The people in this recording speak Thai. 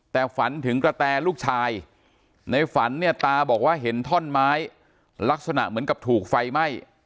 แต่ฝันถึงกระแตลูกชายในฝันเนี่ยตาบอกว่าเห็นท่อนไม้ลักษณะเหมือนกับถูกไฟไหม้